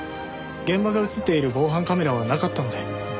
現場が映っている防犯カメラはなかったので。